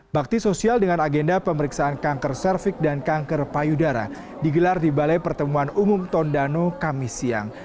bakti sosial dengan agenda pemeriksaan kanker cervix dan kanker payudara digelar di balai pertemuan umum tondano kami siang